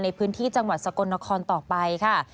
ในพื้นที่จังหวัดสกลนครต่อไปค่ะ